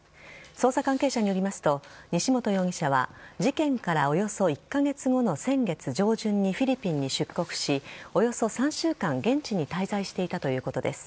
捜査関係者によりますと西本容疑者は事件からおよそ１カ月後の先月上旬にフィリピンに出国しおよそ３週間、現地に滞在していたということです。